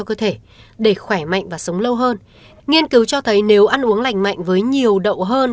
nhiều nghiên cứu cho thấy nếu ăn uống lành mạnh với nhiều đậu hơn